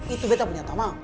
itu betapun nyata maaf